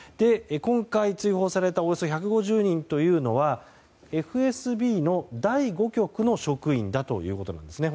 今回、追放されたおよそ１５０人というのはＦＳＢの第５局の職員だということなんですね。